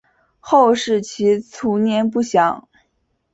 后事及卒年不详。